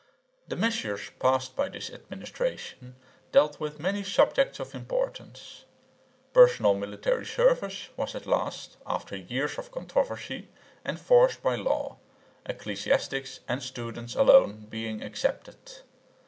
The measures passed by this administration dealt with many subjects of importance. Personal military service was at last, after years of controversy, enforced by law, ecclesiastics and students alone being excepted.